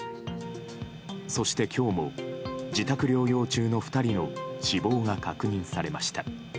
そして今日も自宅療養中の２人の死亡が確認されました。